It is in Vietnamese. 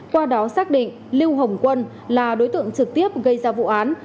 qua đó xác định lưu hồng quân là đối tượng trực tiếp gây ra vụ án